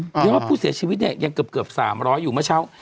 ยอดว่าผู้เสียชีวิตเนี่ยยังเกือบ๓๐๐อยู่เมื่อเช้า